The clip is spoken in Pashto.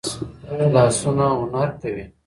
لاسونه هنر کوي